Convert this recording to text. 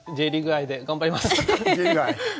Ｊリーグ愛で頑張ります！